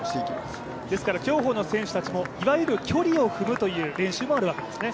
ですから競歩の選手たちもいわゆる距離を踏むという練習もあるわけですね。